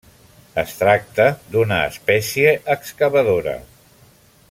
Es tracta d'una espècie excavadora.